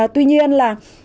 tuy nhiên là